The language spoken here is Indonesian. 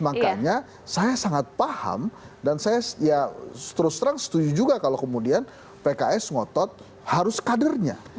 makanya saya sangat paham dan saya ya terus terang setuju juga kalau kemudian pks ngotot harus kadernya